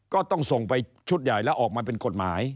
ก็ต้องส่งไปชุดใหญ่แล้วออกมาเป็นกฎหมาย